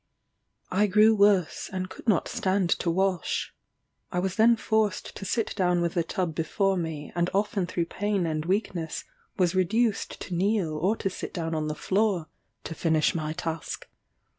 I grew worse, and could not stand to wash. I was then forced to sit down with the tub before me, and often through pain and weakness was reduced to kneel or to sit down on the floor, to finish my task.